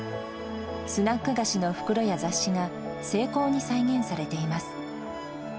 スナック菓子の袋や雑誌が、精巧に再現されています。